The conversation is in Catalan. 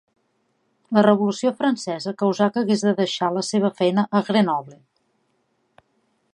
La Revolució Francesa causà que hagués de deixar la seva feina a Grenoble.